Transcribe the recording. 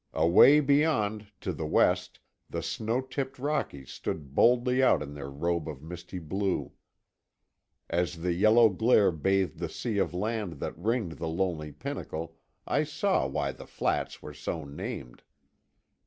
Away beyond, to the west, the snow tipped Rockies stood boldly out in their robe of misty blue. And as the yellow glare bathed the sea of land that ringed the lone pinnacle I saw why the Flats were so named.